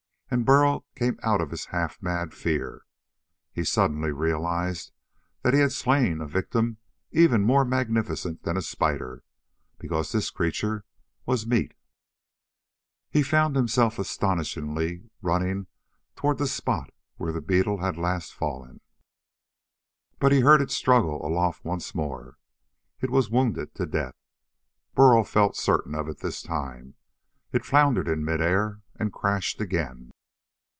And Burl came out of his half mad fear: he suddenly realized that he had slain a victim even more magnificent than a spider, because this creature was meat. He found himself astonishedly running toward the spot where the beetle had last fallen. But he heard it struggle aloft once more. It was wounded to death. Burl felt certain of it this time. It floundered in mid air and crashed again.